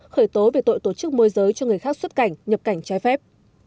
khởi tố về tội tổ chức môi giới cho người khác xuất cảnh nhập cảnh trái phép